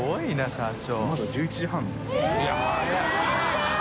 社長！